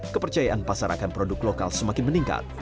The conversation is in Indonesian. kepercayaan pasar akan produk lokal semakin meningkat